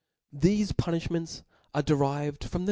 Thefe punifliments are derived from the?